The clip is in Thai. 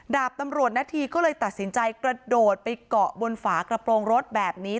ดาบตำรวจนาธีก็เลยตัดสินใจกระโดดไปเกาะบนฝากระโปรงรถแบบนี้